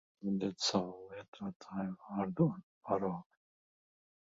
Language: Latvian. Ievadiet savu lietotājvārdu un paroli